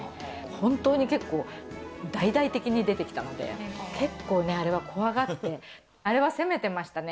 本当に結構大々的に出てきたので、結構ね、あれは怖がって、あれは攻めてましたね。